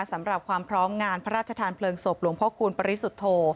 สำหรับความพร้อมงานพระราชทานเพลิงศพหลวงพ่อคูณปริสุทธโธ